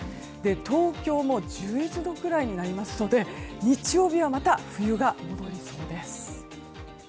東京も１１度くらいになりますので日曜日はまた冬が戻りそうです。